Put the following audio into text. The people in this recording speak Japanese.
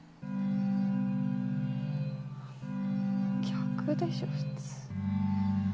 逆でしょ普通。